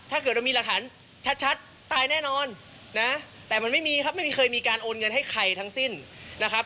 ถ้าเกิดเรามีหลักฐานชัดตายแน่นอนนะแต่มันไม่มีครับไม่มีใครมีการโอนเงินให้ใครทั้งสิ้นนะครับ